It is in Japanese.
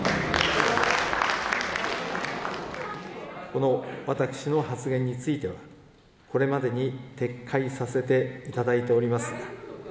この私の発言については、これまでに撤回させていただいております。